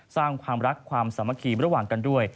สร้างความรักความสามัคคีระหว่างกันด้วย